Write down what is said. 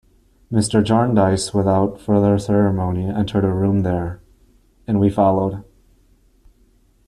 Mr. Jarndyce without further ceremony entered a room there, and we followed.